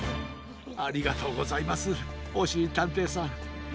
ありがとうございますおしりたんていさん。